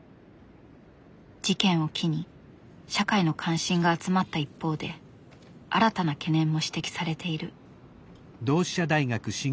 事件を機に社会の関心が集まった一方で新たな懸念も指摘されている。